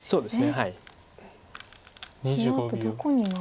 そうですね。